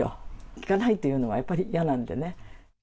聞かないっていうのはやっぱり嫌なんでね。